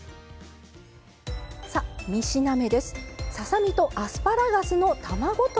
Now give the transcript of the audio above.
さあ３品目です。